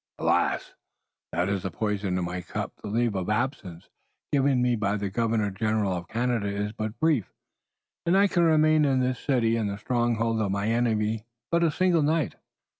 "Alas! that is the poison in my cup. The leave of absence given me by the Governor General of Canada is but brief, and I can remain in this city and stronghold of my enemy but a single night."